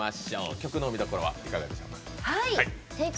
曲の見どころはどこでしょうか。